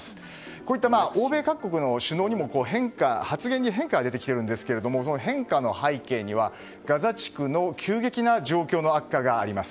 こういった欧米各国の首脳にも発言に変化が出てきているんですがその変化の背景にはガザ地区の急激な状況の悪化があります。